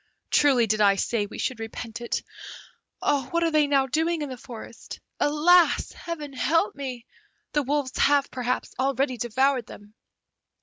Truly did I say we should repent it. What are they now doing in the forest! Alas! Heaven help me! the wolves have, perhaps, already devoured them!